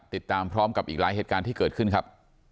ติดตามพร้อมกับอีกหลายเหตุการณ์ที่เกิดขึ้นครับ